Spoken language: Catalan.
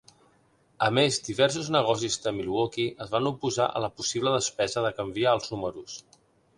A més, diversos negocis de Milwaukee es van oposar a la possible despesa de canviar els números.